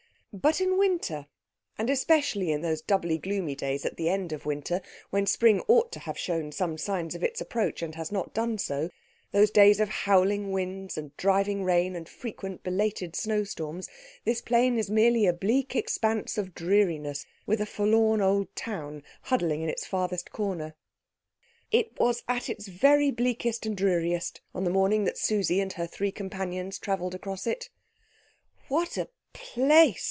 But in winter, and especially in those doubly gloomy days at the end of winter, when spring ought to have shown some signs of its approach and has not done so, those days of howling winds and driving rain and frequent belated snowstorms, this plain is merely a bleak expanse of dreariness, with a forlorn old town huddling in its farthest corner. It was at its very bleakest and dreariest on the morning that Susie and her three companions travelled across it. "What a place!"